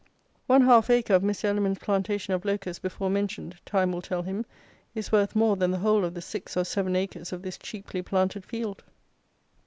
One half acre of Mr. Elliman's plantation of locusts before mentioned, time will tell him, is worth more than the whole of the six or seven acres of this cheaply planted field.